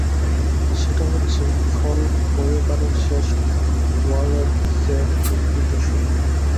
সেটা হচ্ছে ফল ওয়েবারের শেষ ওয়ালৎজের বিকৃত সুরটি।